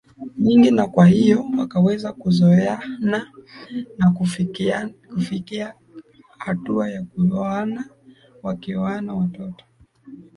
nyingi na kwa hiyo wakaweza kuzoeana na hata kufikia hatua ya kuoana Wakioana watoto